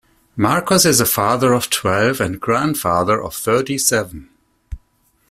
Markos is a father of twelve and grandfather of thirty-seven.